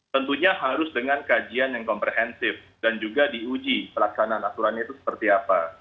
tentunya harus dengan kajian yang komprehensif dan juga diuji pelaksanaan aturannya itu seperti apa